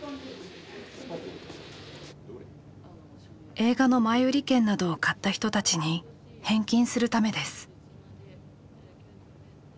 映画の前売り券などを買った人たちに返金するためです。